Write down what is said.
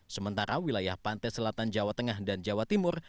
sementara wilayah pantai selatan jawa tengah dan jawa timur